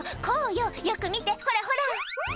「こうよよく見てほらほら」